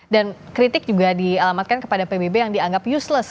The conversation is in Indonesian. dan kritik juga dialamatkan kepada pbb yang dianggap useless